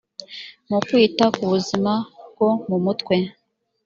mu kwita ku buzima bwo mu mutwe